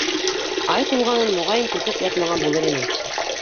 Ай тулғанын, моғайын, көтөп ятмаған булыр инең!